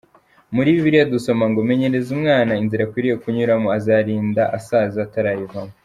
Muri Bibiliya dusoma ngo “Menyereza umwana inzira akwiriye kunyuramo, azarinda asaza atarayivamo.